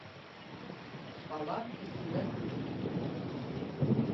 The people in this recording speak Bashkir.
Бала көлкөгә туймаҫ